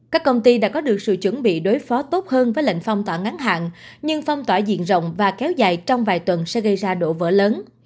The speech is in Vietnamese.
các công ty đã có được sự chuẩn bị đối phó tốt hơn với lệnh phong tỏa ngắn hạn nhưng phong tỏa diện rộng và kéo dài trong vài tuần sẽ gây ra đổ vỡ lớn